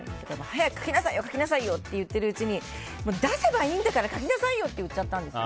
早く描きなさいよと言っているうちに出せばいいんだから描きなさいよ！って言っちゃったんです。